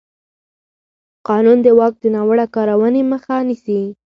قانون د واک د ناوړه کارونې مخه نیسي.